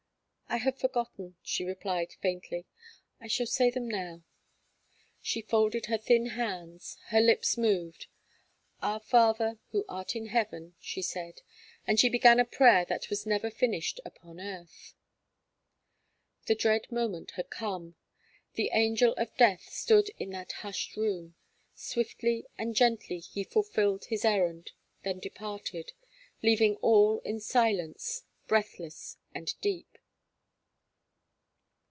"I had forgotten," she replied, faintly, "I shall say them now." She folded her thin hands, her lips moved. "Our father who art in heaven," she said, and she began a prayer that was never finished upon earth. The dread moment had come. The angel of death stood in that hushed room; swiftly and gently he fulfilled his errand, then departed, leaving all in silence, breathless and deep.